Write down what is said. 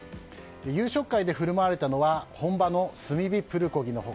夕食会で振る舞われたのは本場の炭火プルコギの他